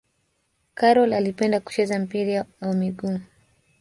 Karol alipenda kucheza mpira wa miguu